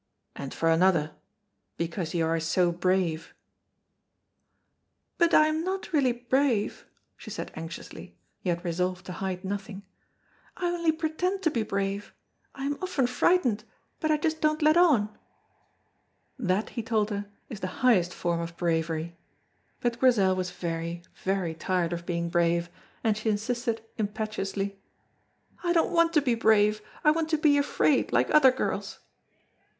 "And for another because you are so brave." "But I am not really brave," she said anxiously, yet resolved to hide nothing, "I only pretend to be brave, I am often frightened, but I just don't let on." That, he told her, is the highest form of bravery, but Grizel was very, very tired of being brave, and she insisted impetuously, "I don't want to be brave, I want to be afraid, like other girls."